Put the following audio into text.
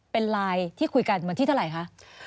เป็นไลน์ที่คุยกันเหมือนที่เท่าไรคะ